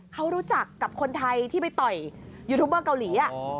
เขารู้จักกับคนไทยที่ไปต่อยยูทูบเบอร์เกาหลี